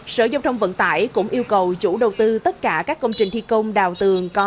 sở giao thông vận tải cũng yêu cầu chủ đầu tư tất cả các công trình thi công đào tường